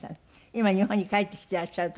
今日本に帰ってきてらっしゃる。